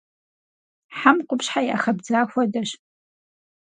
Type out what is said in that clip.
Хьэм къупщхьэ яхэбдза хуэдэщ.